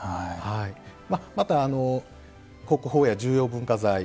また国宝や重要文化財